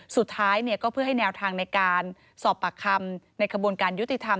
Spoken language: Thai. สุดท้ายก็เพื่อให้แนวทางในการสอบปากคำในกระบวนการยุติธรรม